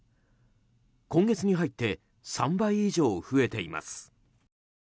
今月に入って３倍以上増えています。